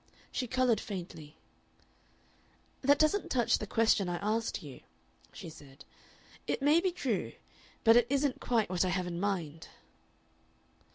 She colored faintly. "That doesn't touch the question I asked you," she said. "It may be true, but it isn't quite what I have in mind."